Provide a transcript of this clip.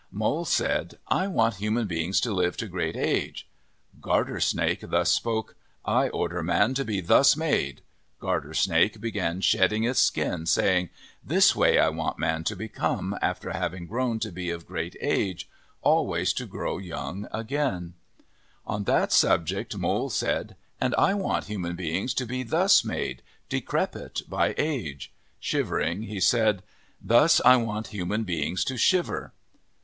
Mole said :" I want human beings to live to great age." Garter Snake thus spoke :" I order man to be thus made." Garter Snake began shedding its skin, say ing :" This way I want man to become, after having grown to be of great age always to grow young again." 38 OF THE PACIFIC NORTHWEST On that subject Mole said :" And I want human beings to be thus made decrepit by age." Shiver ing, he said, "Thus I want human beings to shiver."